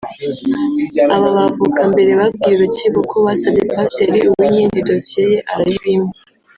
Aba bavoka mbere babwiye urukiko ko basabye Pasiteri Uwinkindi dosiye ye arayibima